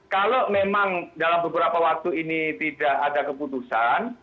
kalau memang dalam beberapa waktu ini tidak ada keputusan